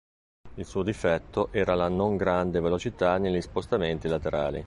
Il suo difetto era la non grande velocità negli spostamenti laterali.